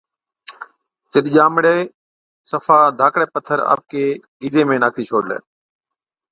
تِڏ ڄامڙَي صفا ڌاڪڙي پٿر آپڪي گِيدي ۾ ناکتِي ڇوڙلَي۔